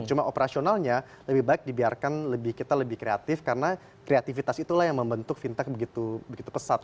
cuma operasionalnya lebih baik dibiarkan kita lebih kreatif karena kreativitas itulah yang membentuk fintech begitu pesat